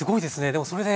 でもそれで。